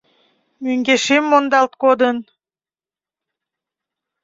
— Мӧҥгешем мондалт кодын...